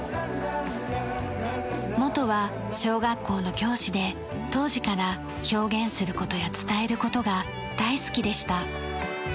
元は小学校の教師で当時から表現する事や伝える事が大好きでした。